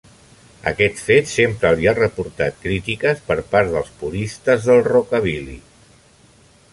Aquest fet sempre li ha reportat crítiques per part dels puristes del rockabilly.